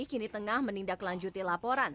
kini tengah menindaklanjuti laporan